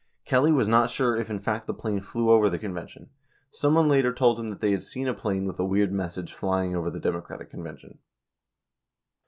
Kelly was not sure if in fact the plane flew over the convention. 99 Someone later told him that they had seen a plane with a wierd message flying over the Democratic convention.